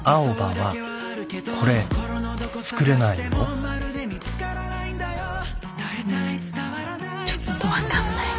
うんちょっと分かんないわ。